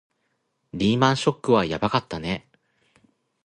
リーマンショックはやばかったね